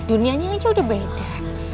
dunianya aja udah beda